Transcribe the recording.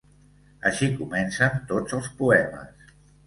Així comencen tots els poemes.